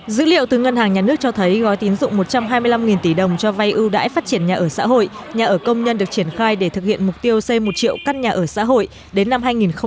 dữ liệu từ ngân hàng nhà nước cho thấy gói tín dụng một trăm hai mươi năm tỷ đồng cho vay ưu đãi phát triển nhà ở xã hội nhà ở công nhân được triển khai để thực hiện mục tiêu xây một triệu căn nhà ở xã hội đến năm hai nghìn ba mươi